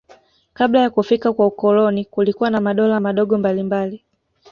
Kabla ya kufika kwa ukoloni kulikuwa na madola madogo mbalimbali